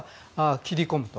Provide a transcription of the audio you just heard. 切り込むと。